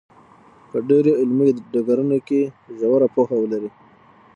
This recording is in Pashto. په ډېرو علمي ډګرونو کې ژوره پوهه ولري.